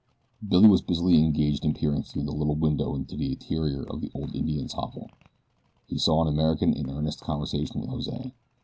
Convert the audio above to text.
Billy was busily engaged in peering through the little window into the interior of the old Indian's hovel. He saw an American in earnest conversation with Jose.